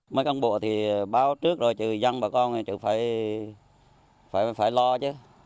mấy công bộ thì báo trước rồi chứ dân bà con thì phải lo chứ